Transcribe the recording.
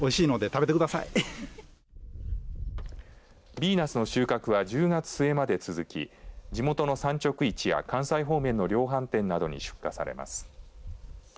美ナスの収穫は１０月末まで続き地元の産直市や関西方面の量販店などに出荷されます。